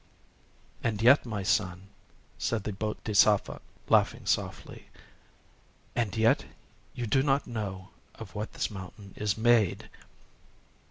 "And yet, my son," said the Bodhisattva, laughing softly,—"and yet you do not know of what this mountain is made."